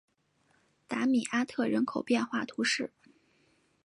达米阿特人口变化图示